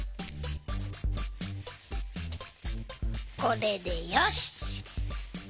これでよし。